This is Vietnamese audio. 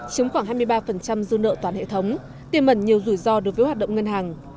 chiếm khoảng hai mươi ba dư nợ toàn hệ thống tiềm mẩn nhiều rủi ro đối với hoạt động ngân hàng